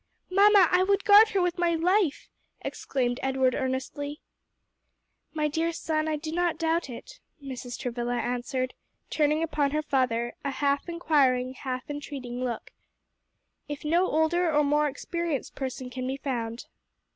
"Mamma, I would guard her with my life!" exclaimed Edward earnestly. "My dear son, I do not doubt it," Mrs. Travilla answered, turning upon her father a half inquiring, half entreating look. "If no older or more experienced person can be found."